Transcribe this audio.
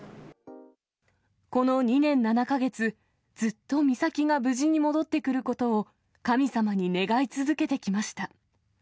この２年７か月、ずっと美咲が無事に戻ってくることを神様に願い続けてきました。